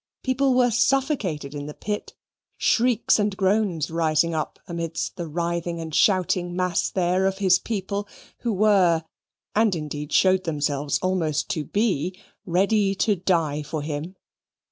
People were suffocated in the pit, shrieks and groans rising up amidst the writhing and shouting mass there of his people who were, and indeed showed themselves almost to be, ready to die for him.